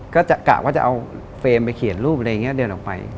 กะว่าจะเอาเฟรมไปเขียนรูปอะไรอย่างนี้เดินออกไป